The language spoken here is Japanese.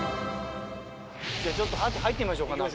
じゃあちょっと入ってみましょうか中。